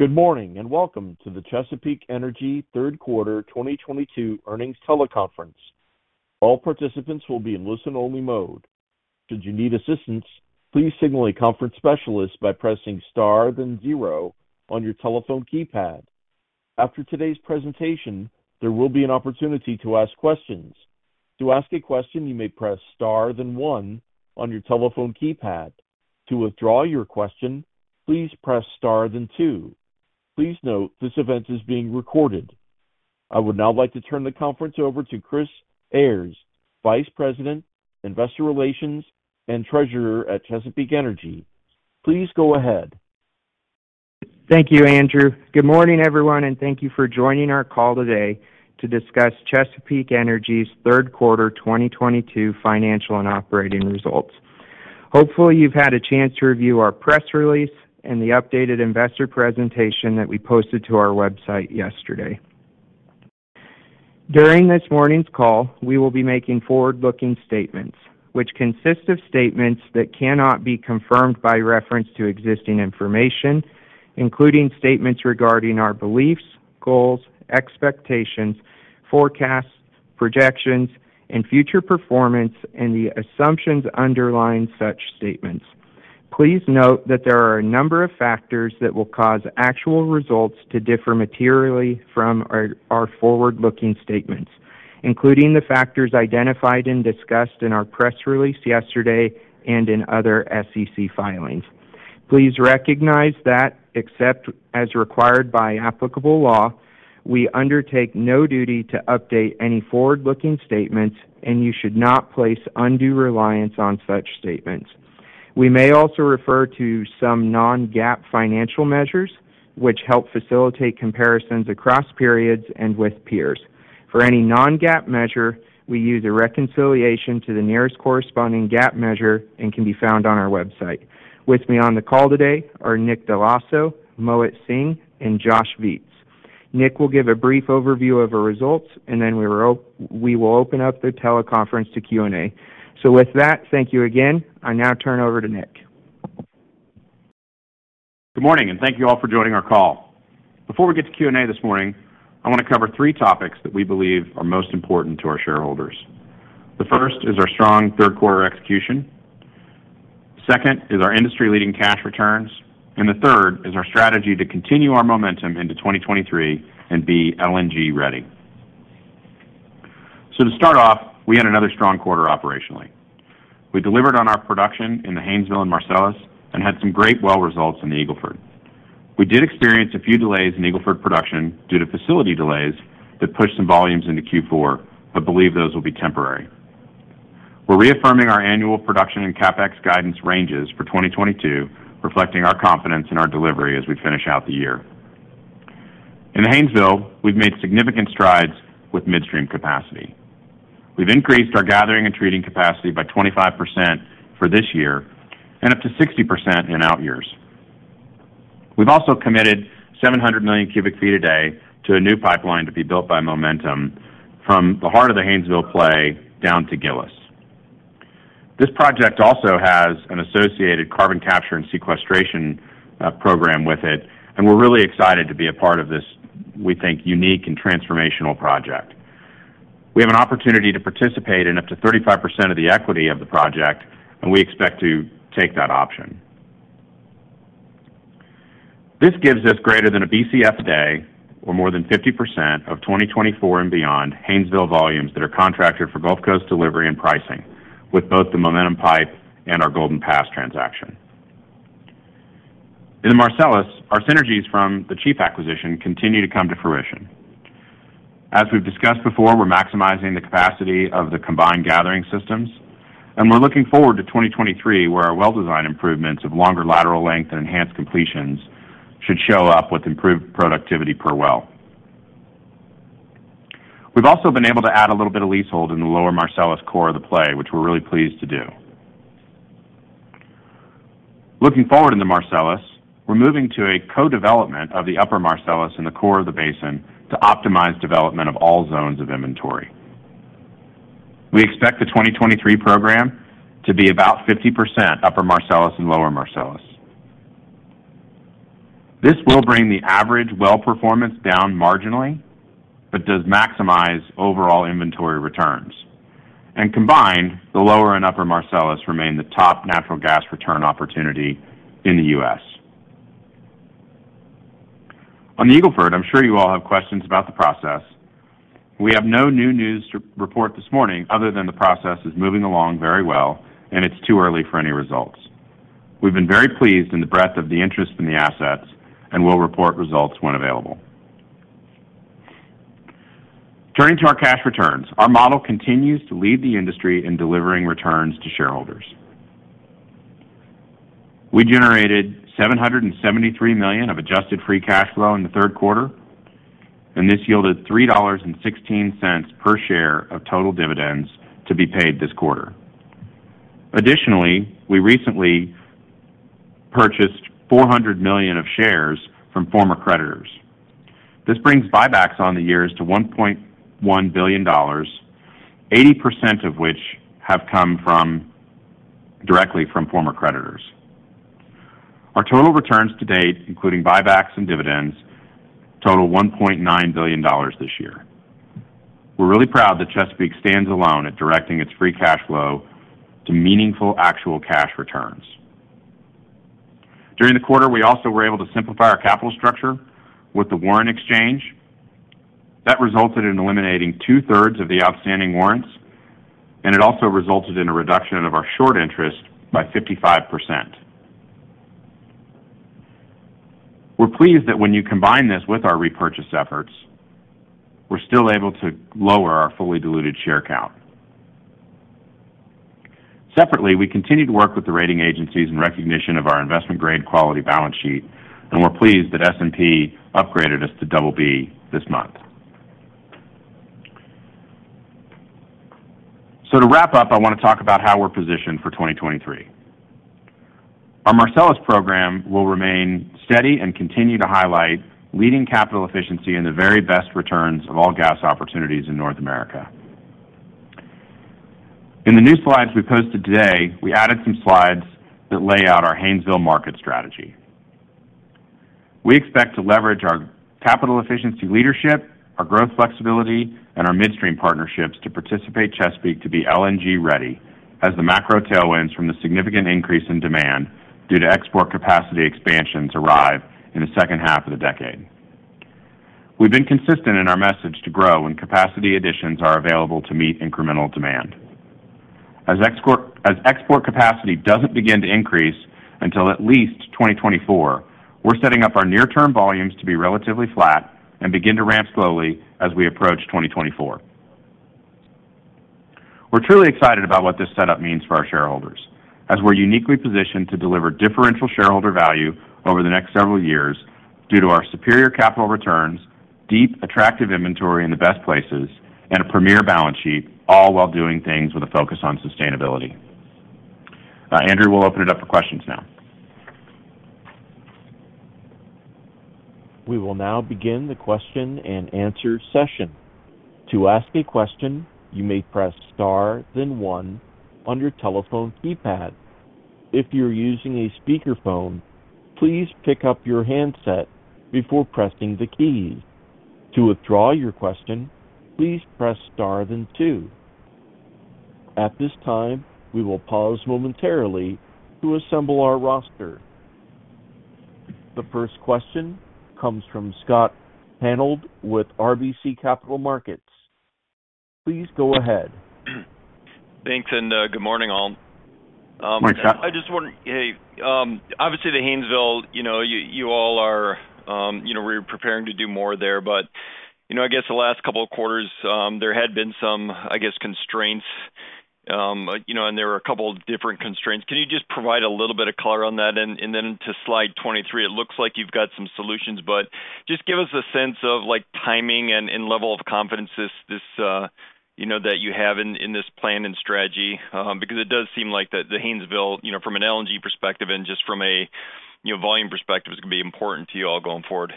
Good morning, and welcome to the Chesapeake Energy third quarter 2022 earnings teleconference. All participants will be in listen-only mode. Should you need assistance, please signal a conference specialist by pressing star, then zero on your telephone keypad. After today's presentation, there will be an opportunity to ask questions. To ask a question, you may press star then one on your telephone keypad. To withdraw your question, please press star then two. Please note this event is being recorded. I would now like to turn the conference over to Chris Ayres, Vice President, Investor Relations, and Treasurer at Chesapeake Energy. Please go ahead. Thank you, Andrew. Good morning, everyone, and thank you for joining our call today to discuss Chesapeake Energy's third quarter 2022 financial and operating results. Hopefully, you've had a chance to review our press release and the updated investor presentation that we posted to our website yesterday. During this morning's call, we will be making forward-looking statements, which consist of statements that cannot be confirmed by reference to existing information, including statements regarding our beliefs, goals, expectations, forecasts, projections, and future performance, and the assumptions underlying such statements. Please note that there are a number of factors that will cause actual results to differ materially from our forward-looking statements, including the factors identified and discussed in our press release yesterday and in other SEC filings. Please recognize that, except as required by applicable law, we undertake no duty to update any forward-looking statements, and you should not place undue reliance on such statements. We may also refer to some non-GAAP financial measures, which help facilitate comparisons across periods and with peers. For any non-GAAP measure, we use a reconciliation to the nearest corresponding GAAP measure and can be found on our website. With me on the call today are Nick Dell'Osso, Mohit Singh, and Josh Viets. Nick will give a brief overview of our results, and then we will open up the teleconference to Q&A. With that, thank you again. I now turn over to Nick. Good morning, and thank you all for joining our call. Before we get to Q&A this morning, I want to cover three topics that we believe are most important to our shareholders. The first is our strong third quarter execution. Second is our industry-leading cash returns. The third is our strategy to continue our momentum into 2023 and be LNG ready. To start off, we had another strong quarter operationally. We delivered on our production in the Haynesville and Marcellus and had some great well results in the Eagle Ford. We did experience a few delays in Eagle Ford production due to facility delays that pushed some volumes into Q4, but we believe those will be temporary. We're reaffirming our annual production and CapEx guidance ranges for 2022, reflecting our confidence in our delivery as we finish out the year. In Haynesville, we've made significant strides with midstream capacity. We've increased our gathering and treating capacity by 25% for this year and up to 60% in outyears. We've also committed 700 million cubic feet a day to a new pipeline to be built by Momentum Midstream from the heart of the Haynesville Play down to Gillis. This project also has an associated carbon capture and sequestration program with it, and we're really excited to be a part of this, we think, unique and transformational project. We have an opportunity to participate in up to 35% of the equity of the project, and we expect to take that option. This gives us greater than a Bcf day or more than 50% of 2024 and beyond Haynesville volumes that are contracted for Gulf Coast delivery and pricing with both the Momentum pipeline and our Golden Pass transaction. In the Marcellus, our synergies from the Chief acquisition continue to come to fruition. We've discussed before, we're maximizing the capacity of the combined gathering systems, and we're looking forward to 2023, where our well design improvements of longer lateral length and enhanced completions should show up with improved productivity per well. We've also been able to add a little bit of leasehold in the lower Marcellus core of the play, which we're really pleased to do. Looking forward in the Marcellus, we're moving to a co-development of the upper Marcellus in the core of the basin to optimize development of all zones of inventory. We expect the 2023 program to be about 50% upper Marcellus and lower Marcellus. This will bring the average well performance down marginally, but does maximize overall inventory returns. Combined, the lower and upper Marcellus remain the top natural gas return opportunity in the U.S. On the Eagle Ford, I'm sure you all have questions about the process. We have no new news to report this morning other than the process is moving along very well, and it's too early for any results. We've been very pleased in the breadth of the interest in the assets, and we'll report results when available. Turning to our cash returns. Our model continues to lead the industry in delivering returns to shareholders. We generated $773 million of adjusted free cash flow in the third quarter, and this yielded $3.16 per share of total dividends to be paid this quarter. Additionally, we recently purchased 400 million of shares from former creditors. This brings buybacks for the year to $1.1 billion, 80% of which have come directly from former creditors. Our total returns to date, including buybacks and dividends, total $1.9 billion this year. We're really proud that Chesapeake stands alone at directing its free cash flow to meaningful actual cash returns. During the quarter, we also were able to simplify our capital structure with the warrant exchange. That resulted in eliminating two-thirds of the outstanding warrants, and it also resulted in a reduction of our short interest by 55%. We're pleased that when you combine this with our repurchase efforts, we're still able to lower our fully diluted share count. Separately, we continue to work with the rating agencies in recognition of our investment-grade quality balance sheet, and we're pleased that S&P upgraded us to BB this month. To wrap up, I want to talk about how we're positioned for 2023. Our Marcellus program will remain steady and continue to highlight leading capital efficiency and the very best returns of all gas opportunities in North America. In the new slides we posted today, we added some slides that lay out our Haynesville market strategy. We expect to leverage our capital efficiency leadership, our growth flexibility, and our midstream partnerships to position Chesapeake to be LNG-ready as the macro tailwinds from the significant increase in demand due to export capacity expansions arrive in the second half of the decade. We've been consistent in our message to grow when capacity additions are available to meet incremental demand. As export capacity doesn't begin to increase until at least 2024, we're setting up our near-term volumes to be relatively flat and begin to ramp slowly as we approach 2024. We're truly excited about what this setup means for our shareholders, as we're uniquely positioned to deliver differential shareholder value over the next several years due to our superior capital returns, deep, attractive inventory in the best places, and a premier balance sheet, all while doing things with a focus on sustainability. Andrew will open it up for questions now. We will now begin the question-and-answer session. To ask a question, you may press star, then one on your telephone keypad. If you're using a speakerphone, please pick up your handset before pressing the key. To withdraw your question, please press star then two. At this time, we will pause momentarily to assemble our roster. The first question comes from Scott Hanold with RBC Capital Markets. Please go ahead. Thanks, and, good morning, all. Good morning, Scott. Obviously, the Haynesville, you know, you all are, you know, we're preparing to do more there. You know, I guess the last couple of quarters, there had been some, I guess, constraints. You know, and there were a couple of different constraints. Can you just provide a little bit of color on that? Then to slide 23, it looks like you've got some solutions, but just give us a sense of, like, timing and level of confidence this, you know, that you have in this plan and strategy, because it does seem like that the Haynesville, you know, from an LNG perspective and just from a, you know, volume perspective, is gonna be important to you all going forward.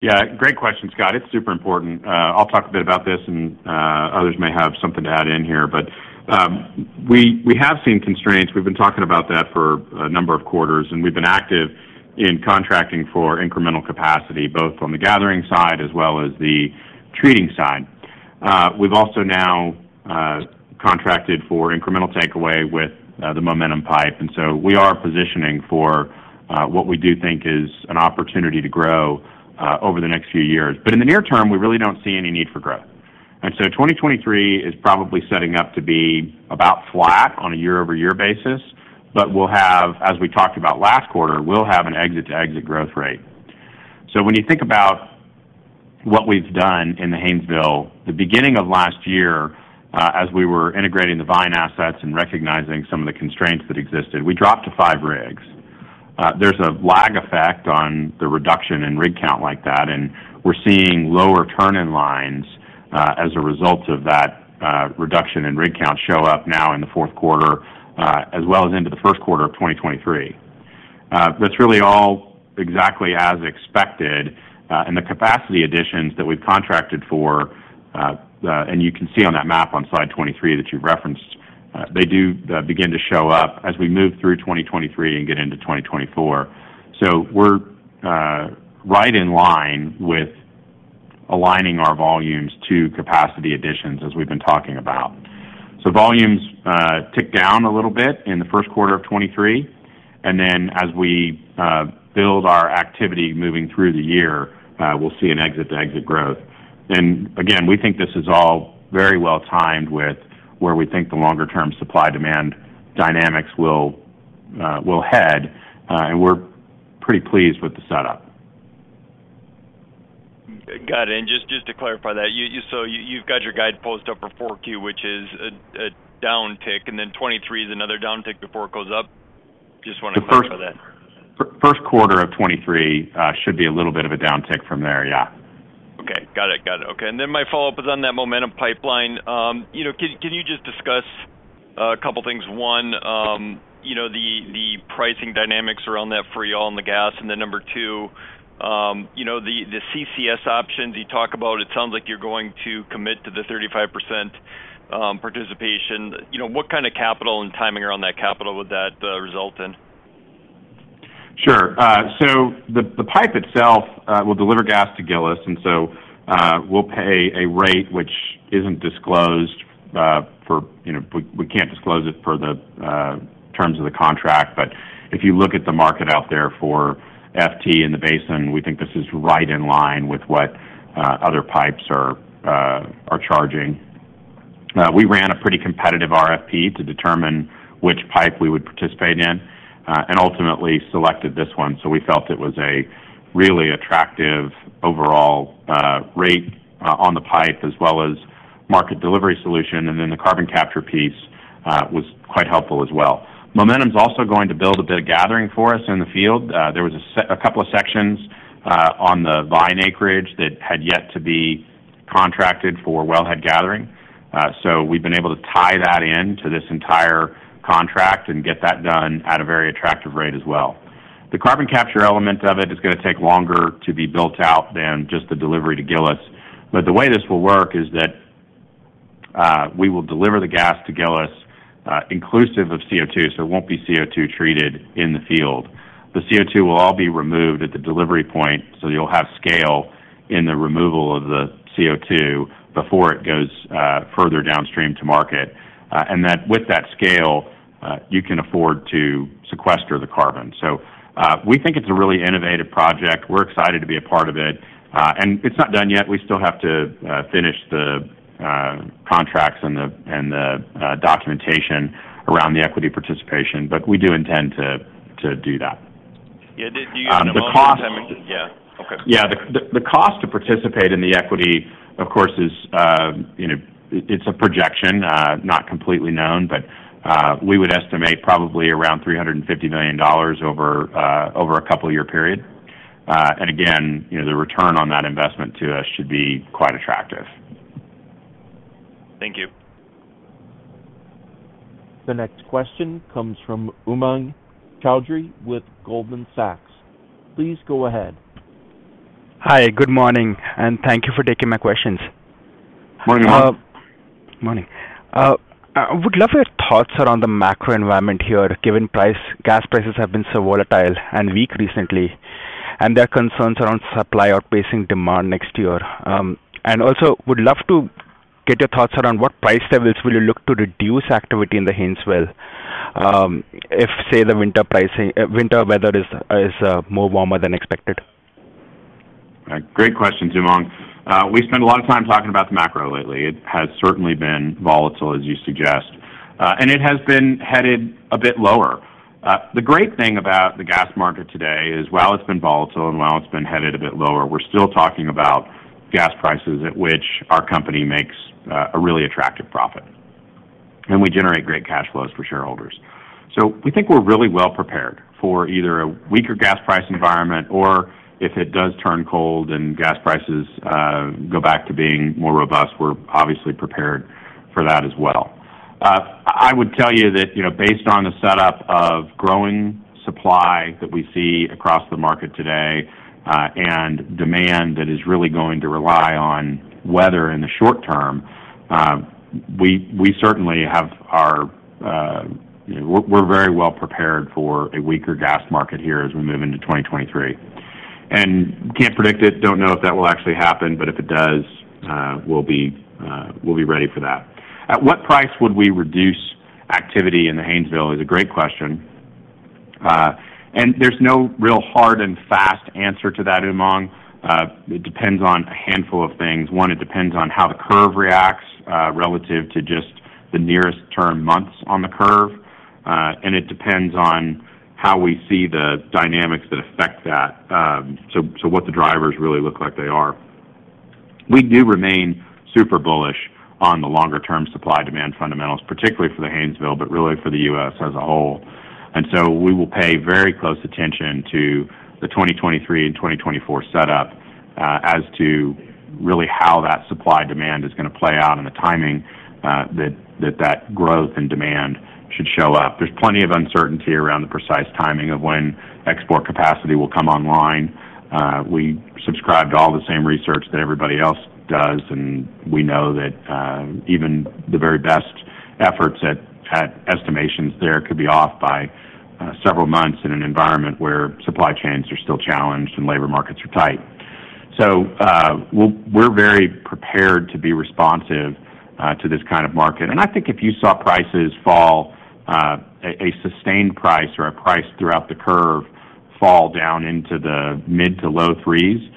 Yeah. Great question, Scott. It's super important. I'll talk a bit about this, and others may have something to add in here. We have seen constraints. We've been talking about that for a number of quarters, and we've been active in contracting for incremental capacity, both on the gathering side as well as the treating side. We've also now contracted for incremental takeaway with the Momentum pipe. We are positioning for what we do think is an opportunity to grow over the next few years. In the near term, we really don't see any need for growth. 2023 is probably setting up to be about flat on a year-over-year basis. We'll have, as we talked about last quarter, an exit-to-exit growth rate. When you think about what we've done in the Haynesville, the beginning of last year, as we were integrating the Vine assets and recognizing some of the constraints that existed, we dropped to five rigs. There's a lag effect on the reduction in rig count like that, and we're seeing lower turn-in-lines, as a result of that, reduction in rig count show up now in the fourth quarter, as well as into the first quarter of 2023. That's really all exactly as expected, and the capacity additions that we've contracted for, and you can see on that map on slide 23 that you've referenced, they do begin to show up as we move through 2023 and get into 2024. We're right in line with aligning our volumes to capacity additions as we've been talking about. Volumes tick down a little bit in the first quarter of 2023, and then as we build our activity moving through the year, we'll see an exit-to-exit growth. We think this is all very well timed with where we think the longer-term supply-demand dynamics will head, and we're pretty pleased with the setup. Got it. Just to clarify that, so you've got your guidepost up for Q4, which is a downtick, and then 2023 is another downtick before it goes up? Just wanna clarify that. The first quarter of 2023 should be a little bit of a downtick from there, yeah. Okay. Got it. Okay. My follow-up is on that Momentum pipeline. You know, can you just discuss a couple things? One, you know, the pricing dynamics around that for y'all and the gas. Number two, you know, the CCS options you talk about. It sounds like you're going to commit to the 35% participation. You know, what kind of capital and timing around that capital would that result in? Sure. So the pipe itself will deliver gas to Gillis, and so we'll pay a rate which isn't disclosed. You know, we can't disclose it for the terms of the contract. But if you look at the market out there for FT in the basin, we think this is right in line with what other pipes are charging. We ran a pretty competitive RFP to determine which pipe we would participate in, and ultimately selected this one, so we felt it was a really attractive overall rate on the pipe as well as market delivery solution. Then the carbon capture piece was quite helpful as well. Momentum's also going to build a bit of gathering for us in the field. There was a couple of sections on the Vine acreage that had yet to be contracted for wellhead gathering. We've been able to tie that in to this entire contract and get that done at a very attractive rate as well. The carbon capture element of it is gonna take longer to be built out than just the delivery to Gillis. The way this will work is that we will deliver the gas to Gillis inclusive of CO2, so it won't be CO2 treated in the field. The CO2 will all be removed at the delivery point, so you'll have scale in the removal of the CO2 before it goes further downstream to market. That, with that scale, you can afford to sequester the carbon. We think it's a really innovative project. We're excited to be a part of it. It's not done yet. We still have to finish the contracts and the documentation around the equity participation, but we do intend to do that. Yeah. Do you guys know? Um, the cost- Yeah. Okay. Yeah. The cost to participate in the equity, of course, is, you know, it's a projection, not completely known, but we would estimate probably around $350 million over a couple year period. Again, you know, the return on that investment to us should be quite attractive. Thank you. The next question comes from Umang Choudhary with Goldman Sachs. Please go ahead. Hi, good morning, and thank you for taking my questions. Morning. Morning. I would love your thoughts around the macro environment here, given prices, gas prices have been so volatile and weak recently, and there are concerns around supply outpacing demand next year. I would love to get your thoughts around what price levels will you look to reduce activity in the Haynesville, if, say, the winter weather is more warmer than expected. Great question, Umang. We spend a lot of time talking about the macro lately. It has certainly been volatile, as you suggest, and it has been headed a bit lower. The great thing about the gas market today is, while it's been volatile and while it's been headed a bit lower, we're still talking about gas prices at which our company makes a really attractive profit, and we generate great cash flows for shareholders. We think we're really well prepared for either a weaker gas price environment or if it does turn cold and gas prices go back to being more robust, we're obviously prepared for that as well. I would tell you that, you know, based on the setup of growing supply that we see across the market today, and demand that is really going to rely on weather in the short term, we're very well prepared for a weaker gas market here as we move into 2023. Can't predict it. Don't know if that will actually happen, but if it does, we'll be ready for that. At what price would we reduce activity in the Haynesville is a great question. There's no real hard and fast answer to that, Umang. It depends on a handful of things. One, it depends on how the curve reacts, relative to just the nearest term months on the curve. It depends on how we see the dynamics that affect that. What the drivers really look like they are. We do remain super bullish on the longer-term supply-demand fundamentals, particularly for the Haynesville, but really for the U.S. as a whole. We will pay very close attention to the 2023 and 2024 setup as to really how that supply-demand is gonna play out and the timing that growth and demand should show up. There's plenty of uncertainty around the precise timing of when export capacity will come online. We subscribe to all the same research that everybody else does, and we know that even the very best efforts at estimations there could be off by several months in an environment where supply chains are still challenged and labor markets are tight. We're very prepared to be responsive to this kind of market. I think if you saw prices fall, a sustained price or a price throughout the curve fall down into the mid- to low $3s,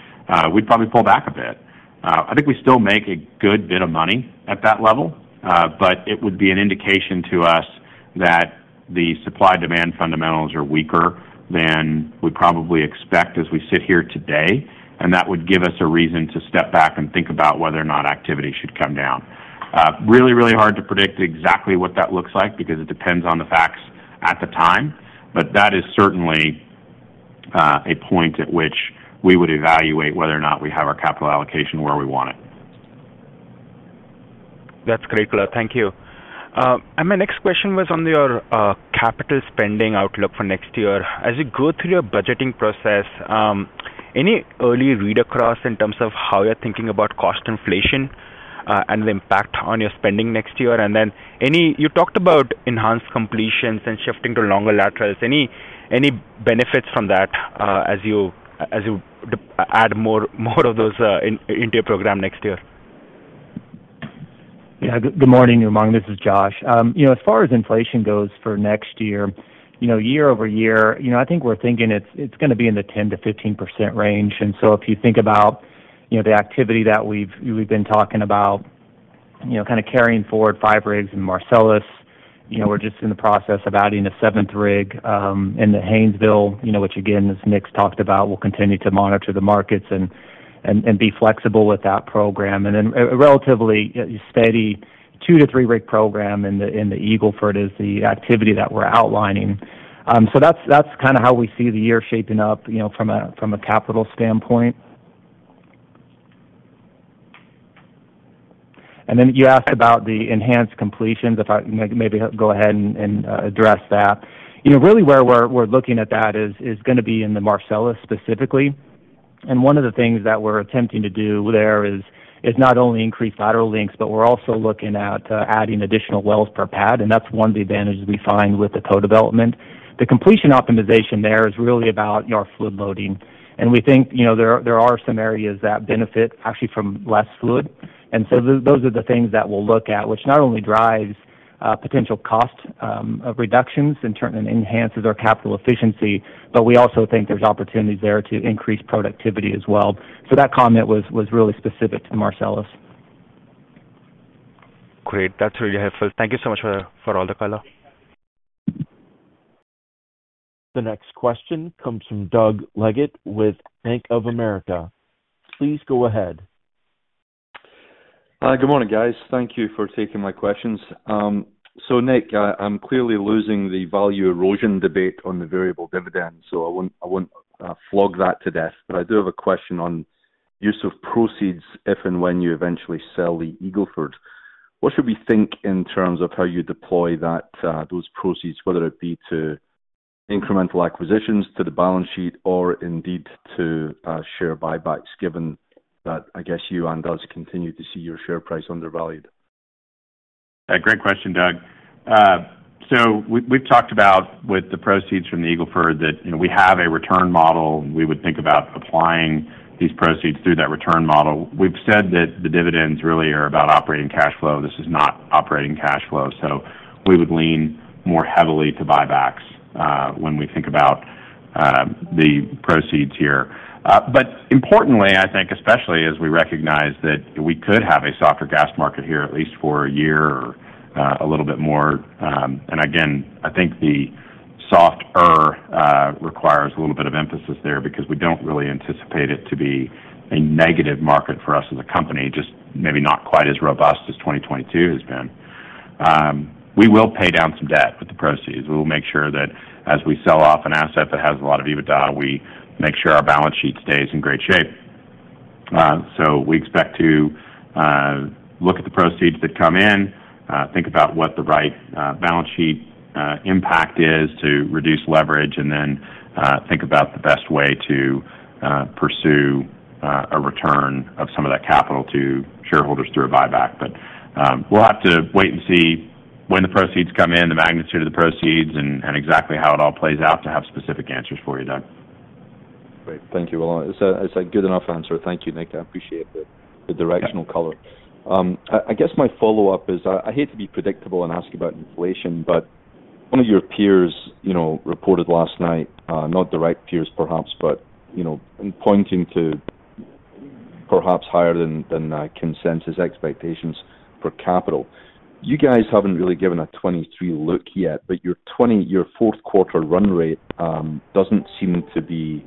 we'd probably pull back a bit. I think we still make a good bit of money at that level, but it would be an indication to us that the supply-demand fundamentals are weaker than we probably expect as we sit here today, and that would give us a reason to step back and think about whether or not activity should come down. Really, really hard to predict exactly what that looks like because it depends on the facts at the time, but that is certainly a point at which we would evaluate whether or not we have our capital allocation where we want it. That's great, clear. Thank you. My next question was on your capital spending outlook for next year. As you go through your budgeting process, any early read across in terms of how you're thinking about cost inflation, and the impact on your spending next year? You talked about enhanced completions and shifting to longer laterals. Any benefits from that, as you add more of those into your program next year? Good morning, Umang. This is Josh. You know, as far as inflation goes for next year, you know, year-over-year, you know, I think we're thinking it's gonna be in the 10%-15% range. If you think about, you know, the activity that we've been talking about, you know, kind of carrying forward five rigs in Marcellus, you know, we're just in the process of adding a seventh rig in the Haynesville, you know, which again, as Nick's talked about, we'll continue to monitor the markets and be flexible with that program. A relatively steady two to three rig program in the Eagle Ford is the activity that we're outlining. So that's kinda how we see the year shaping up, you know, from a capital standpoint. You asked about the enhanced completions. If I maybe go ahead and address that. Really where we're looking at that is gonna be in the Marcellus specifically. One of the things that we're attempting to do there is not only increase lateral lengths, but we're also looking at adding additional wells per pad, and that's one of the advantages we find with the co-development. The completion optimization there is really about your fluid loading. We think there are some areas that benefit actually from less fluid. Those are the things that we'll look at, which not only drives potential cost reductions and enhances our capital efficiency, but we also think there's opportunities there to increase productivity as well. That comment was really specific to Marcellus. Great. That's really helpful. Thank you so much for all the color. The next question comes from Doug Leggate with Bank of America. Please go ahead. Good morning, guys. Thank you for taking my questions. Nick, I'm clearly losing the value erosion debate on the variable dividend, so I won't flog that to death. I do have a question on use of proceeds if and when you eventually sell the Eagle Ford. What should we think in terms of how you deploy those proceeds, whether it be to incremental acquisitions to the balance sheet or indeed to share buybacks, given that, I guess, you and Doug continue to see your share price undervalued? Great question, Doug. We've talked about with the proceeds from the Eagle Ford that, you know, we have a return model. We would think about applying these proceeds through that return model. We've said that the dividends really are about operating cash flow. This is not operating cash flow. We would lean more heavily to buybacks when we think about the proceeds here. Importantly, I think especially as we recognize that we could have a softer gas market here at least for a year or a little bit more, and again, I think the softer requires a little bit of emphasis there because we don't really anticipate it to be a negative market for us as a company, just maybe not quite as robust as 2022 has been. We will pay down some debt with the proceeds. We will make sure that as we sell off an asset that has a lot of EBITDA, we make sure our balance sheet stays in great shape. We expect to look at the proceeds that come in, think about what the right balance sheet impact is to reduce leverage, and then think about the best way to pursue a return of some of that capital to shareholders through a buyback. We'll have to wait and see when the proceeds come in, the magnitude of the proceeds and exactly how it all plays out to have specific answers for you, Doug. Great. Thank you. Well, it's a good enough answer. Thank you, Nick. I appreciate the directional color. I guess my follow-up is, I hate to be predictable and ask you about inflation, but one of your peers, you know, reported last night, not direct peers perhaps, but, you know, and pointing to perhaps higher than consensus expectations for capital. You guys haven't really given a 2023 look yet, but your fourth quarter run rate doesn't seem to be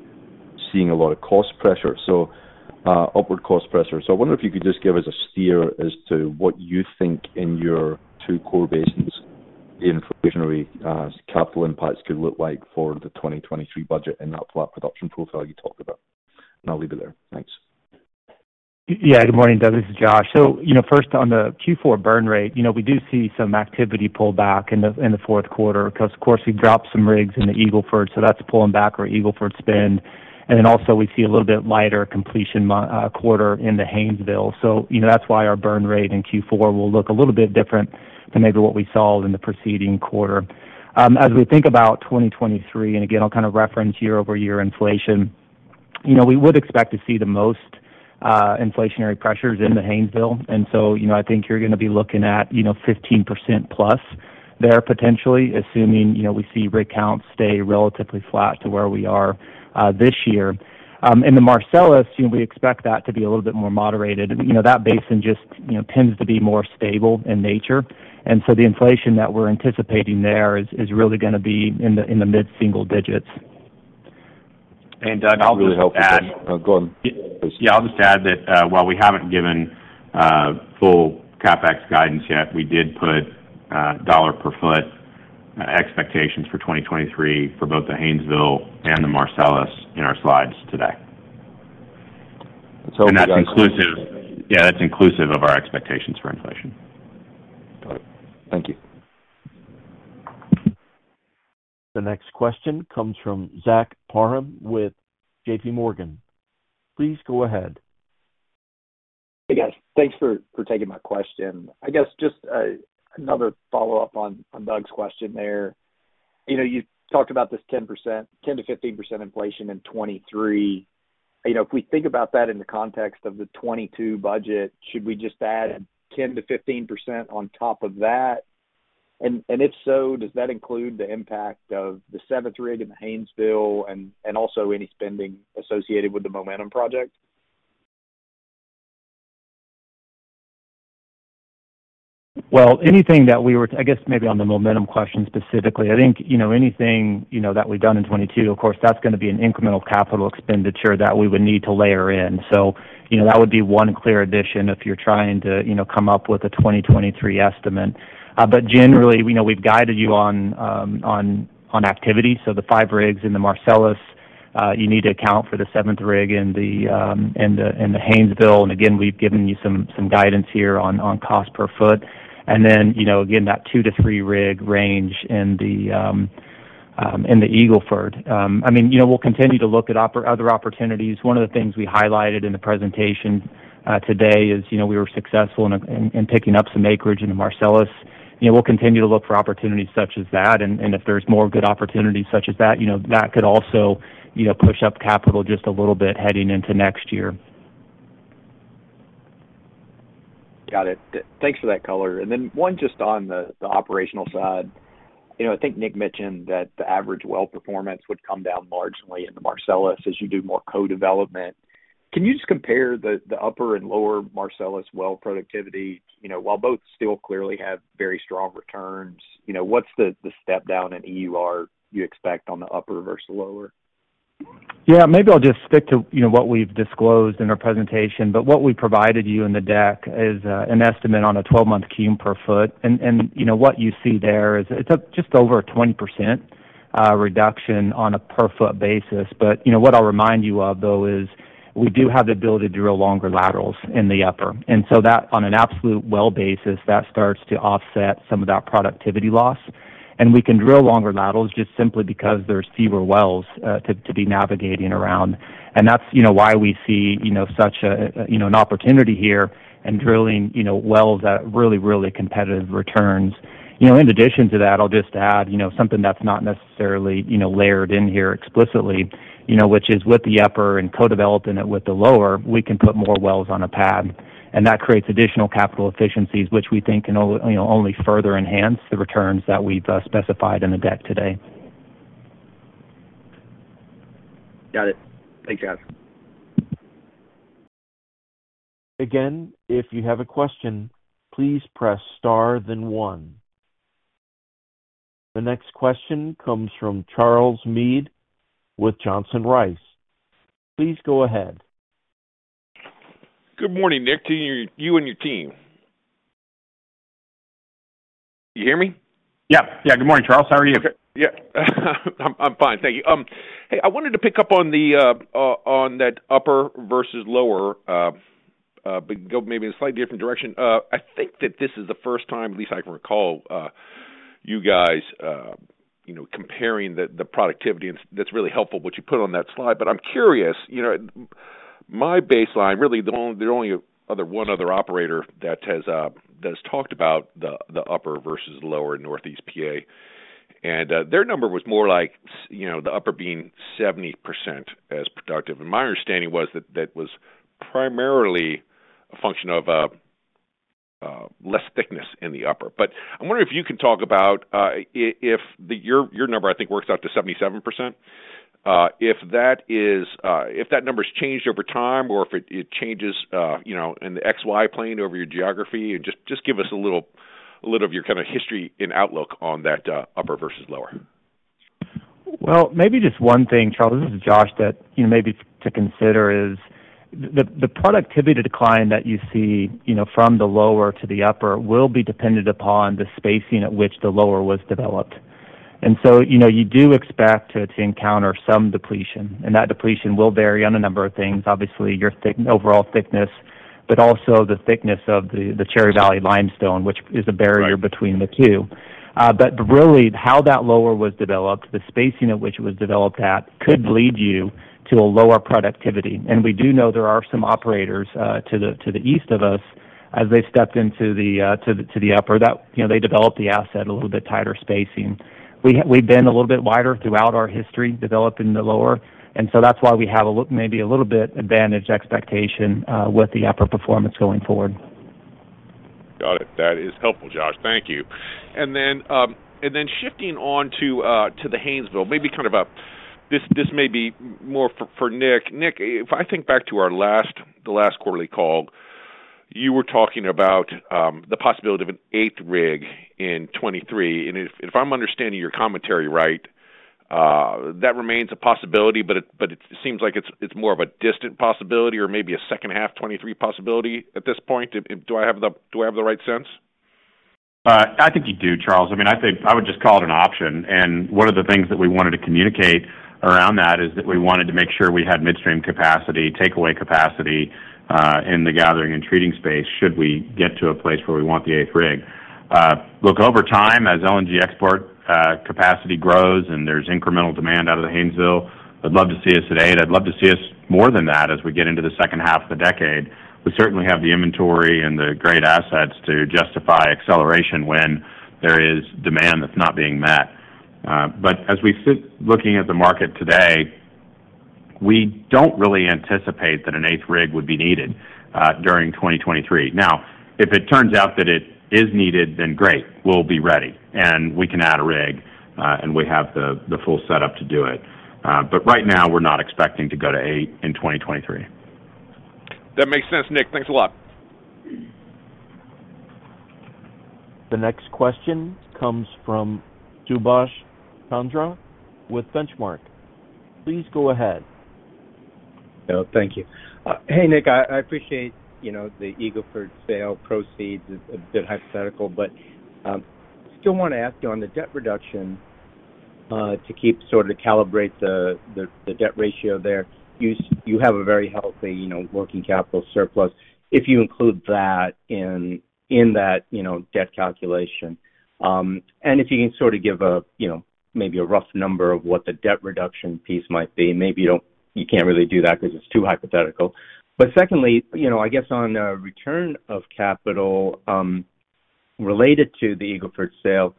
seeing a lot of cost pressure, so upward cost pressure. So I wonder if you could just give us a steer as to what you think in your two core basins inflationary capital impacts could look like for the 2023 budget and that flat production profile you talked about. I'll leave it there. Thanks. Yeah. Good morning, Doug. This is Josh. You know, first on the Q4 burn rate, you know, we do see some activity pull back in the fourth quarter 'cause, of course, we dropped some rigs in the Eagle Ford, so that's pulling back our Eagle Ford spend. Then also we see a little bit lighter completion quarter in the Haynesville. You know, that's why our burn rate in Q4 will look a little bit different than maybe what we saw in the preceding quarter. As we think about 2023, and again, I'll kind of reference year-over-year inflation, you know, we would expect to see the most inflationary pressures in the Haynesville. You know, I think you're gonna be looking at, you know, 15% plus there potentially, assuming, you know, we see rig counts stay relatively flat to where we are this year. In the Marcellus, you know, we expect that to be a little bit more moderated. You know, that basin just, you know, tends to be more stable in nature. The inflation that we're anticipating there is really gonna be in the mid-single digits. Doug, I'll just add. Really helpful. Go on, please. Yeah, I'll just add that, while we haven't given full CapEx guidance yet, we did put dollar per foot expectations for 2023 for both the Haynesville and the Marcellus in our slides today. That's inclusive. Yeah, that's inclusive of our expectations for inflation. Got it. Thank you. The next question comes from Zach Parham with JPMorgan. Please go ahead. Hey, guys. Thanks for taking my question. I guess just another follow-up on Doug's question there. You know, you talked about this 10%-15% inflation in 2023. You know, if we think about that in the context of the 2022 budget, should we just add 10%-15% on top of that? And if so, does that include the impact of the seventh rig in the Haynesville and also any spending associated with the Momentum project? Well, anything I guess maybe on the Momentum question specifically, I think, you know, anything, you know, that we've done in 2022, of course, that's gonna be an incremental capital expenditure that we would need to layer in. You know, that would be one clear addition if you're trying to, you know, come up with a 2023 estimate. Generally, we know we've guided you on activity, so the five rigs in the Marcellus, you need to account for the seventh rig in the Haynesville. Again, we've given you some guidance here on cost per foot. Then, you know, again, that two to three rig range in the Eagle Ford. I mean, you know, we'll continue to look at other opportunities. One of the things we highlighted in the presentation today is, you know, we were successful in picking up some acreage in the Marcellus. You know, we'll continue to look for opportunities such as that. If there's more good opportunities such as that, you know, that could also, you know, push up capital just a little bit heading into next year. Got it. Thanks for that color. One just on the operational side. You know, I think Nick mentioned that the average well performance would come down largely in the Marcellus as you do more co-development. Can you just compare the upper and lower Marcellus well productivity? You know, while both still clearly have very strong returns, you know, what's the step down in EUR you expect on the upper versus lower? Yeah, maybe I'll just stick to, you know, what we've disclosed in our presentation. What we provided you in the deck is an estimate on a 12-month CUM per foot. You know, what you see there is it's just over a 20% reduction on a per foot basis. You know, what I'll remind you of, though, is we do have the ability to drill longer laterals in the upper. That on an absolute well basis, that starts to offset some of that productivity loss. We can drill longer laterals just simply because there's fewer wells to be navigating around. That's, you know, why we see, you know, such a you know, an opportunity here in drilling, you know, wells at really, really competitive returns. You know, in addition to that, I'll just add, you know, something that's not necessarily, you know, layered in here explicitly, you know, which is with the upper and co-developing it with the lower, we can put more wells on a pad, and that creates additional capital efficiencies, which we think can only further enhance the returns that we've specified in the deck today. Got it. Thanks, guys. Again, if you have a question, please press star then one. The next question comes from Charles Meade with Johnson Rice. Please go ahead. Good morning, Nick, to you and your team. You hear me? Yeah. Good morning, Charles. How are you? Okay. Yeah. I'm fine, thank you. Hey, I wanted to pick up on that upper versus lower, but go maybe in a slightly different direction. I think that this is the first time, at least I can recall, you guys, you know, comparing the productivity, and that's really helpful what you put on that slide. I'm curious, you know, my baseline, really the only other operator that has talked about the upper versus lower Northeast PA, and their number was more like, you know, the upper being 70% as productive. My understanding was that that was primarily a function of less thickness in the upper. I wonder if you can talk about your number, I think, works out to 77%. If that number's changed over time or if it changes, you know, in the XY plane over your geography. Just give us a little of your kinda history and outlook on that upper versus lower. Well, maybe just one thing, Charles, this is Josh, that, you know, maybe to consider is the productivity decline that you see, you know, from the lower to the upper will be dependent upon the spacing at which the lower was developed. You know, you do expect to encounter some depletion, and that depletion will vary on a number of things. Obviously, overall thickness, but also the thickness of the Cherry Valley Limestone, which is a barrier- Right. -between the two. But really how that lower was developed, the spacing at which it was developed at, could lead you to a lower productivity. We do know there are some operators to the east of us as they stepped into the upper that, you know, they developed the asset a little bit tighter spacing. We've been a little bit wider throughout our history, developing the lower, that's why we have a maybe a little bit advantage expectation with the upper performance going forward. Got it. That is helpful, Josh. Thank you. Shifting to the Haynesville, maybe. This may be more for Nick. Nick, if I think back to our last quarterly call, you were talking about the possibility of an eighth rig in 2023. If I'm understanding your commentary right, that remains a possibility, but it seems like it's more of a distant possibility or maybe a second half 2023 possibility at this point. Do I have the right sense? I think you do, Charles. I mean, I think I would just call it an option. One of the things that we wanted to communicate around that is that we wanted to make sure we had midstream capacity, takeaway capacity, in the gathering and treating space should we get to a place where we want the eighth rig. Look, over time as LNG export capacity grows and there's incremental demand out of the Haynesville, I'd love to see us at eight. I'd love to see us more than that as we get into the second half of the decade. We certainly have the inventory and the great assets to justify acceleration when there is demand that's not being met. As we sit looking at the market today, we don't really anticipate that an eighth rig would be needed during 2023. Now, if it turns out that it is needed, then great. We'll be ready, and we can add a rig, and we have the full setup to do it. Right now, we're not expecting to go to 8 in 2023. That makes sense, Nick. Thanks a lot. The next question comes from Subash Chandra with Benchmark. Please go ahead. Thank you. Hey, Nick, I appreciate, you know, the Eagle Ford sale proceeds is a bit hypothetical, but still want to ask you on the debt reduction to keep sort of calibrate the debt ratio there. You have a very healthy, you know, working capital surplus. If you include that in that, you know, debt calculation, and if you can sort of give a, you know, maybe a rough number of what the debt reduction piece might be, maybe you can't really do that because it's too hypothetical. Secondly, you know, I guess on return of capital related to the Eagle Ford sale,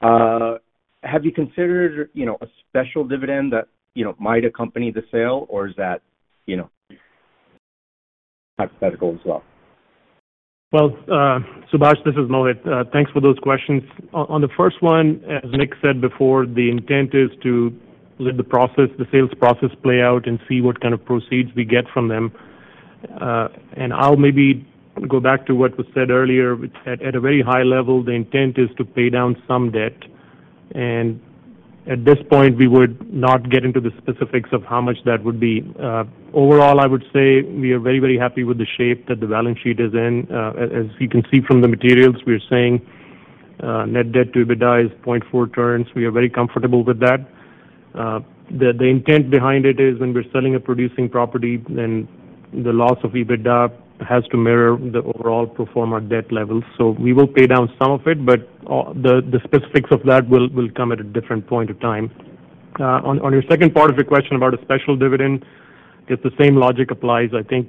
have you considered, you know, a special dividend that, you know, might accompany the sale, or is that, you know, hypothetical as well? Subash, this is Mohit. Thanks for those questions. On the first one, as Nick said before, the intent is to let the process, the sales process play out and see what kind of proceeds we get from them. I'll maybe go back to what was said earlier, which at a very high level, the intent is to pay down some debt. At this point, we would not get into the specifics of how much that would be. Overall, I would say we are very, very happy with the shape that the balance sheet is in. As you can see from the materials, we are saying net debt to EBITDA is 0.4 turns. We are very comfortable with that. The intent behind it is when we're selling a producing property, then the loss of EBITDA has to mirror the overall pro forma debt levels. We will pay down some of it, but the specifics of that will come at a different point of time. On your second part of your question about a special dividend, I guess the same logic applies. I think,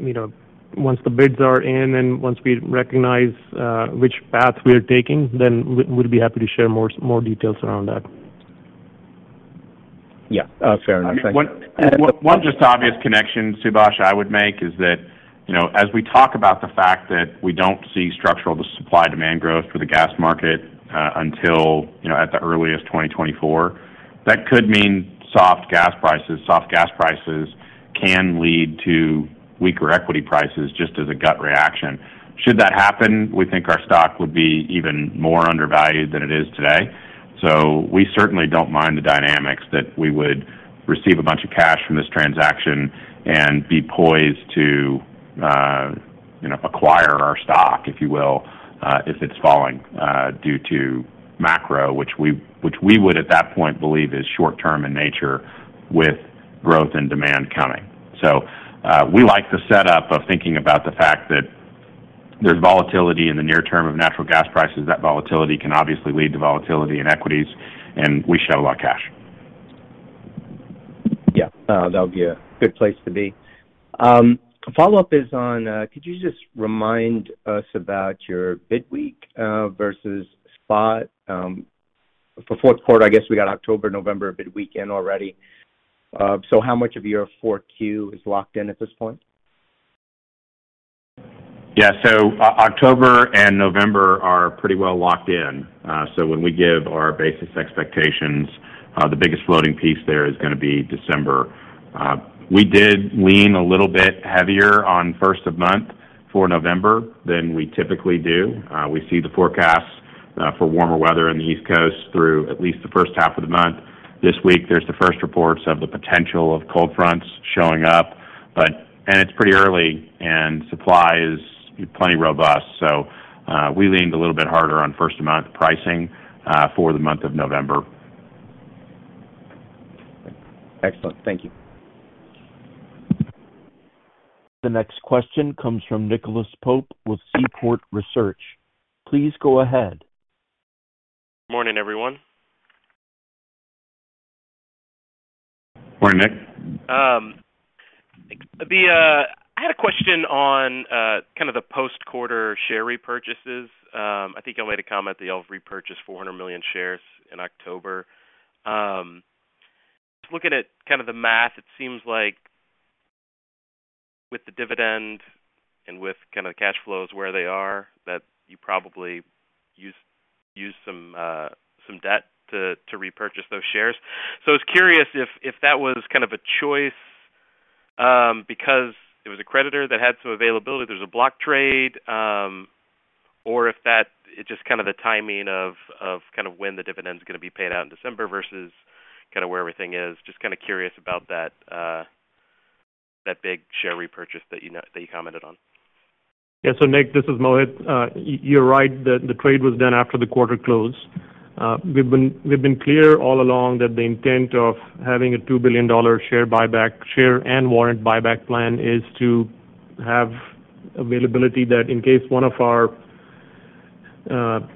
you know, once the bids are in and once we recognize which path we are taking, we'll be happy to share more details around that. Yeah. Fair enough. Thank you. One just obvious connection, Subash, I would make is that, you know, as we talk about the fact that we don't see structural supply-demand growth for the gas market, until, you know, at the earliest, 2024, that could mean soft gas prices. Soft gas prices can lead to weaker equity prices just as a gut reaction. Should that happen, we think our stock would be even more undervalued than it is today. We certainly don't mind the dynamics that we would receive a bunch of cash from this transaction and be poised to, you know, acquire our stock, if you will, if it's falling, due to macro, which we would, at that point, believe is short-term in nature with growth and demand coming. We like the setup of thinking about the fact that there's volatility in the near term of natural gas prices. That volatility can obviously lead to volatility in equities, and we should have a lot of cash. Yeah. That would be a good place to be. Follow-up is on could you just remind us about your bid week versus spot for fourth quarter? I guess we got October, November bid week in already. How much of your 4Q is locked in at this point? Yeah. October and November are pretty well locked in. When we give our basis expectations, the biggest floating piece there is gonna be December. We did lean a little bit heavier on first of month for November than we typically do. We see the forecasts for warmer weather in the East Coast through at least the first half of the month. This week, there's the first reports of the potential of cold fronts showing up. It's pretty early, and supply is plenty robust. We leaned a little bit harder on first of month pricing for the month of November. Excellent. Thank you. The next question comes from Nicholas Pope with Seaport Research. Please go ahead. Morning, everyone. Morning, Nick. I had a question on kind of the post-quarter share repurchases. I think you made a comment that you all have repurchased 400 million shares in October. Just looking at kind of the math, it seems like with the dividend and with kind of the cash flows where they are, that you probably use some debt to repurchase those shares. I was curious if that was kind of a choice because it was a creditor that had some availability, there's a block trade, or if that is just kind of the timing of kind of when the dividend's gonna be paid out in December versus kind of where everything is. Just kind of curious about that big share repurchase that you know that you commented on. Nick, this is Mohit. You're right. The trade was done after the quarter close. We've been clear all along that the intent of having a $2 billion share buyback, share and warrant buyback plan is to have availability that in case one of our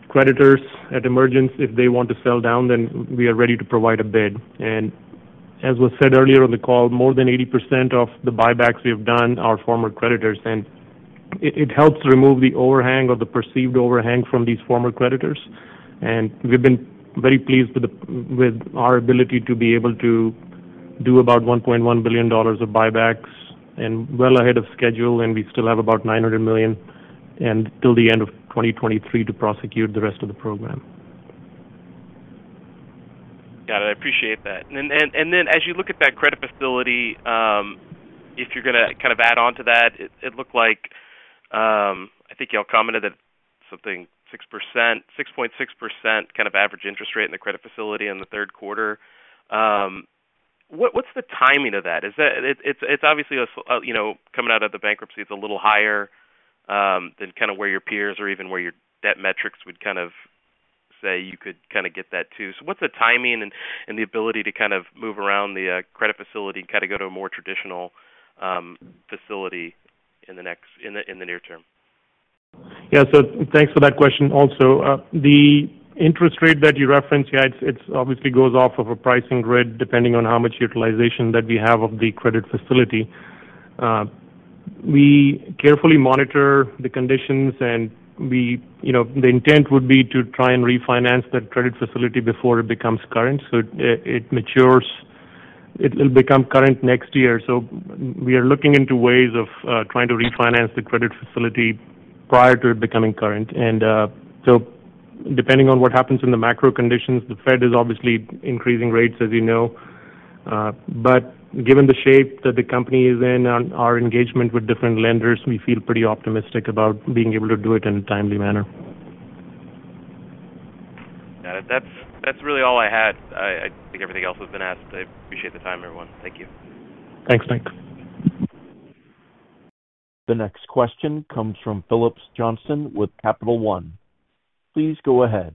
creditors at emergence, if they want to sell down, then we are ready to provide a bid. As was said earlier on the call, more than 80% of the buybacks we have done are former creditors, and it helps remove the overhang or the perceived overhang from these former creditors. We've been very pleased with our ability to be able to do about $1.1 billion of buybacks and well ahead of schedule, and we still have about $900 million until the end of 2023 to prosecute the rest of the program. Got it. I appreciate that. As you look at that credit facility, if you're gonna kind of add on to that, it looked like I think y'all commented that 6.6% kind of average interest rate in the credit facility in the third quarter. What's the timing of that? Is it? It's obviously a, you know, coming out of the bankruptcy, it's a little higher than kind of where your peers or even where your debt metrics would kind of say you could kind of get that too. What's the timing and the ability to kind of move around the credit facility and kind of go to a more traditional facility in the near term? Yeah. Thanks for that question also. The interest rate that you referenced, yeah, it's obviously goes off of a pricing grid depending on how much utilization that we have of the credit facility. We carefully monitor the conditions and, you know, the intent would be to try and refinance that credit facility before it becomes current. It matures. It'll become current next year. We are looking into ways of trying to refinance the credit facility prior to it becoming current. Depending on what happens in the macro conditions, the Fed is obviously increasing rates as you know. But given the shape that the company is in on our engagement with different lenders, we feel pretty optimistic about being able to do it in a timely manner. Got it. That's really all I had. I think everything else has been asked. I appreciate the time, everyone. Thank you. Thanks, Nick. The next question comes from Phillips Johnston with Capital One. Please go ahead.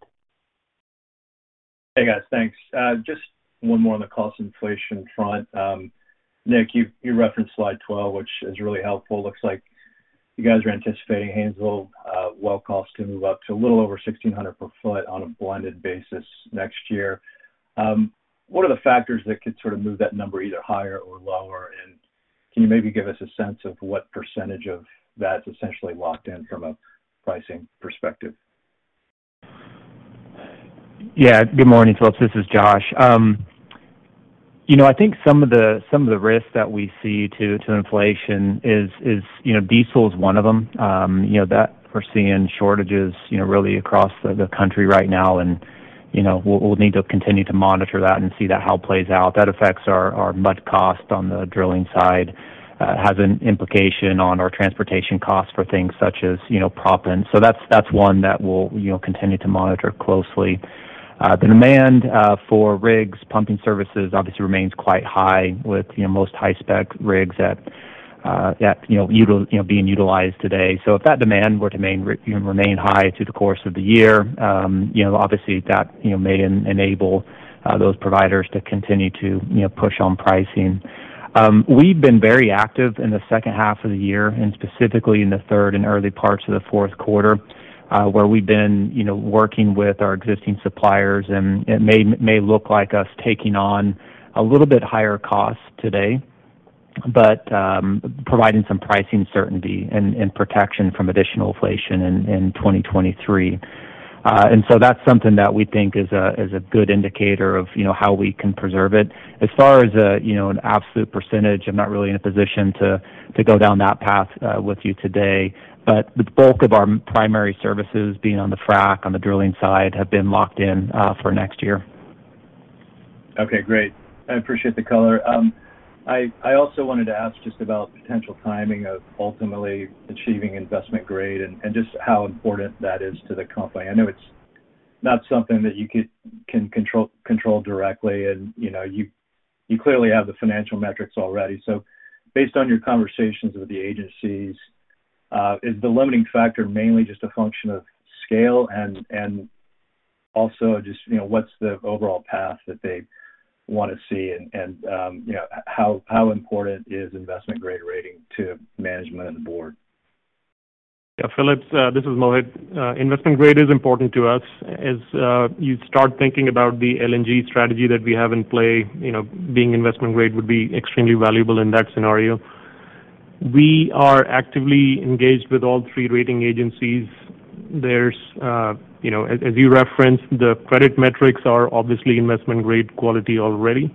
Hey, guys. Thanks. Just one more on the cost inflation front. Nick, you referenced slide 12, which is really helpful. Looks like you guys are anticipating Haynesville well cost to move up to a little over $1,600 per foot on a blended basis next year. What are the factors that could sort of move that number either higher or lower? And can you maybe give us a sense of what percentage of that's essentially locked in from a pricing perspective? Yeah. Good morning, Phillips. This is Josh. You know, I think some of the risks that we see to inflation is, you know, diesel is one of them. You know, that we're seeing shortages, you know, really across the country right now. You know, we'll need to continue to monitor that and see how it plays out. That affects our mud cost on the drilling side, has an implication on our transportation costs for things such as, you know, proppant. That's one that we'll, you know, continue to monitor closely. The demand for rigs, pumping services obviously remains quite high with, you know, most high spec rigs you know, being utilized today. If that demand were to remain high through the course of the year, you know, obviously that, you know, may enable those providers to continue to, you know, push on pricing. We've been very active in the second half of the year and specifically in the third and early parts of the fourth quarter, where we've been, you know, working with our existing suppliers and it may look like us taking on a little bit higher cost today, but providing some pricing certainty and protection from additional inflation in 2023. That's something that we think is a good indicator of, you know, how we can preserve it. As far as, you know, an absolute percentage, I'm not really in a position to go down that path with you today. The bulk of our primary services being on the frack, on the drilling side have been locked in for next year. Okay, great. I appreciate the color. I also wanted to ask just about potential timing of ultimately achieving investment grade and just how important that is to the company. I know it's not something that you can control directly and you know you clearly have the financial metrics already. So based on your conversations with the agencies, is the limiting factor mainly just a function of scale? Also just you know what's the overall path that they wanna see? You know how important is investment grade rating to management and the board? Yeah. Phillips, this is Mohit. Investment grade is important to us. As you start thinking about the LNG strategy that we have in play, you know, being investment grade would be extremely valuable in that scenario. We are actively engaged with all three rating agencies. There's, you know, as you referenced, the credit metrics are obviously investment grade quality already.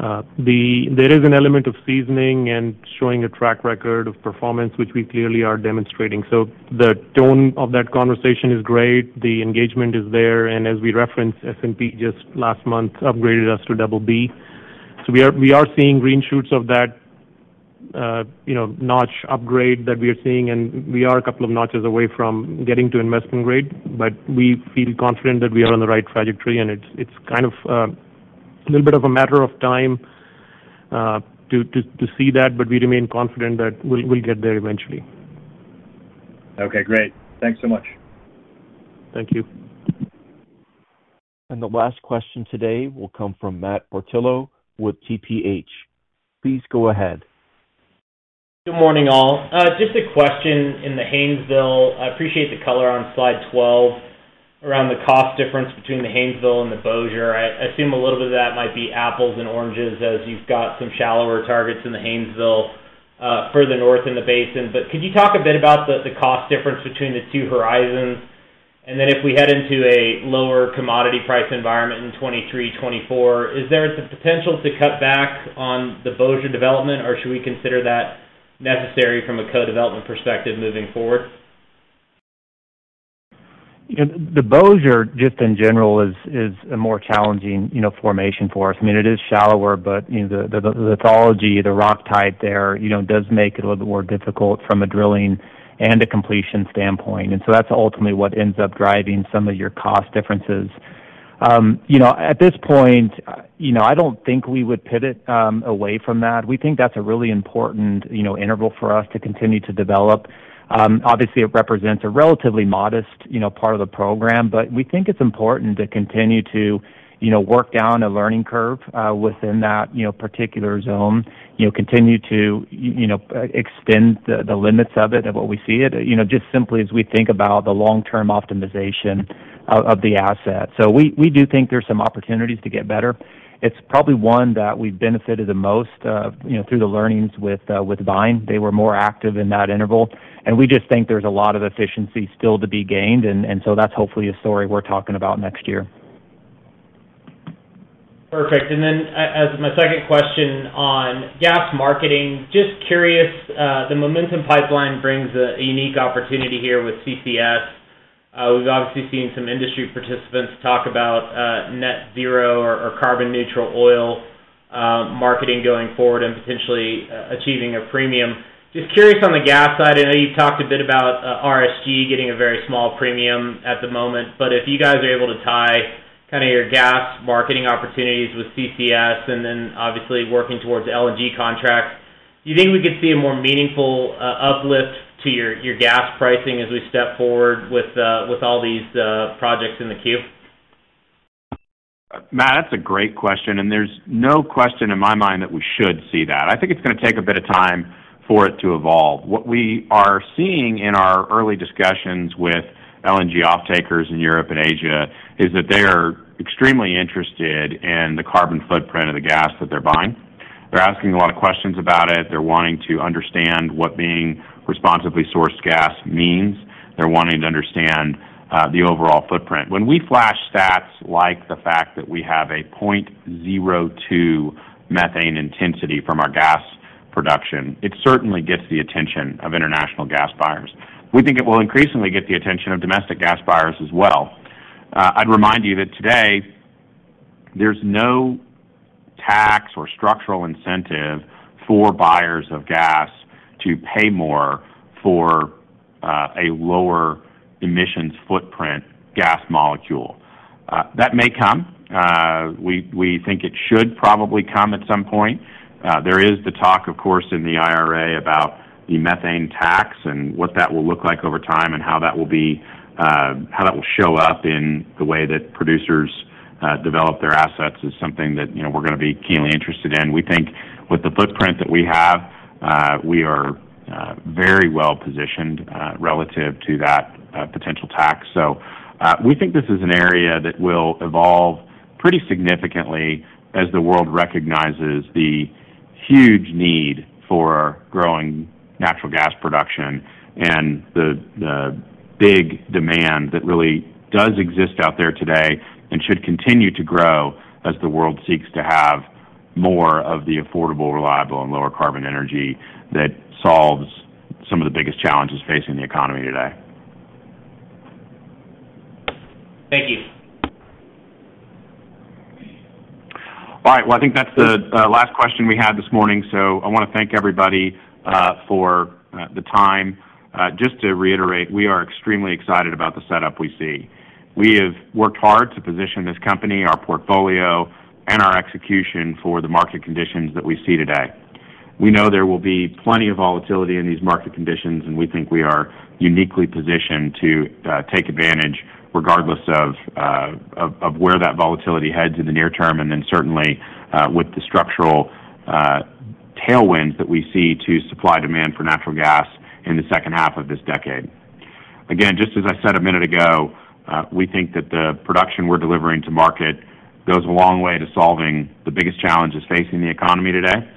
There is an element of seasoning and showing a track record of performance which we clearly are demonstrating. The tone of that conversation is great. The engagement is there, and as we referenced, S&P just last month upgraded us to double B. We are seeing green shoots of that, you know, notch upgrade that we are seeing, and we are a couple of notches away from getting to investment grade. We feel confident that we are on the right trajectory, and it's kind of a little bit of a matter of time to see that, but we remain confident that we'll get there eventually. Okay, great. Thanks so much. Thank you. The last question today will come from Matt Portillo with TPH. Please go ahead. Good morning, all. Just a question in the Haynesville. I appreciate the color on slide 12 around the cost difference between the Haynesville and the Bossier. I assume a little bit of that might be apples and oranges as you've got some shallower targets in the Haynesville, further north in the basin. Could you talk a bit about the cost difference between the two horizons? If we head into a lower commodity price environment in 2023, 2024, is there the potential to cut back on the Bossier development, or should we consider that necessary from a co-development perspective moving forward? You know, the Bossier, just in general, is a more challenging, you know, formation for us. I mean, it is shallower, but, you know, the lithology, the rock type there, you know, does make it a little bit more difficult from a drilling and a completion standpoint. That's ultimately what ends up driving some of your cost differences. You know, at this point, you know, I don't think we would pivot away from that. We think that's a really important, you know, interval for us to continue to develop. Obviously, it represents a relatively modest, you know, part of the program, but we think it's important to continue to, you know, work down a learning curve within that, you know, particular zone. You know, continue to you know extend the limits of it and what we see it. You know, just simply as we think about the long-term optimization of the asset. We do think there's some opportunities to get better. It's probably one that we've benefited the most, you know, through the learnings with Vine. They were more active in that interval. We just think there's a lot of efficiency still to be gained and so that's hopefully a story we're talking about next year. Perfect. As my second question on gas marketing, just curious, the Momentum Midstream brings a unique opportunity here with CCS. We've obviously seen some industry participants talk about, net zero or carbon neutral oil, marketing going forward and potentially achieving a premium. Just curious on the gas side. I know you've talked a bit about, RSG getting a very small premium at the moment. But if you guys are able to tie kinda your gas marketing opportunities with CCS and then obviously working towards LNG contracts, do you think we could see a more meaningful, uplift to your gas pricing as we step forward with all these projects in the queue? Matt, that's a great question, and there's no question in my mind that we should see that. I think it's gonna take a bit of time for it to evolve. What we are seeing in our early discussions with LNG offtakers in Europe and Asia is that they are extremely interested in the carbon footprint of the gas that they're buying. They're asking a lot of questions about it. They're wanting to understand what being Responsibly Sourced Gas means. They're wanting to understand the overall footprint. When we flash stats like the fact that we have a 0.02 methane intensity from our gas production, it certainly gets the attention of international gas buyers. We think it will increasingly get the attention of domestic gas buyers as well. I'd remind you that today, there's no tax or structural incentive for buyers of gas to pay more for a lower emissions footprint gas molecule. That may come. We think it should probably come at some point. There is the talk, of course, in the IRA about the methane tax and what that will look like over time and how that will show up in the way that producers develop their assets is something that, you know, we're gonna be keenly interested in. We think with the footprint that we have, we are very well positioned relative to that potential tax. We think this is an area that will evolve pretty significantly as the world recognizes the huge need for growing natural gas production and the big demand that really does exist out there today and should continue to grow as the world seeks to have more of the affordable, reliable, and lower carbon energy that solves some of the biggest challenges facing the economy today. Thank you. All right. Well, I think that's the last question we had this morning, so I wanna thank everybody for the time. Just to reiterate, we are extremely excited about the setup we see. We have worked hard to position this company, our portfolio, and our execution for the market conditions that we see today. We know there will be plenty of volatility in these market conditions, and we think we are uniquely positioned to take advantage regardless of where that volatility heads in the near term, and then certainly with the structural tailwinds that we see to supply demand for natural gas in the second half of this decade. Again, just as I said a minute ago, we think that the production we're delivering to market goes a long way to solving the biggest challenges facing the economy today.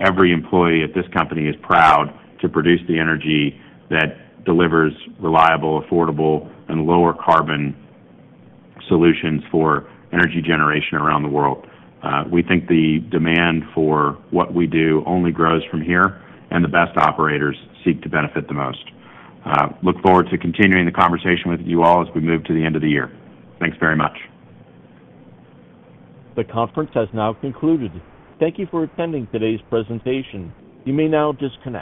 Every employee at this company is proud to produce the energy that delivers reliable, affordable, and lower carbon solutions for energy generation around the world. We think the demand for what we do only grows from here, and the best operators seek to benefit the most. Look forward to continuing the conversation with you all as we move to the end of the year. Thanks very much. The conference has now concluded. Thank you for attending today's presentation. You may now disconnect.